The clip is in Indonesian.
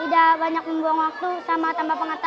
tidak banyak membuang waktu sama tanpa pengetahuan